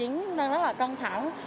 nó rất là căng thẳng